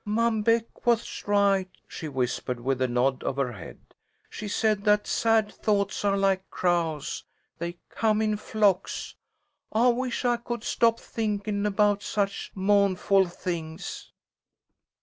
"Mom Beck was right," she whispered with a nod of her head. "She said that sad thoughts are like crows. They come in flocks. I wish I could stop thinkin' about such mou'nful things."